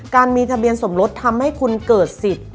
การมีทะเบียนสมรสทำให้คุณเกิดสิทธิ์